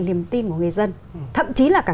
niềm tin của người dân thậm chí là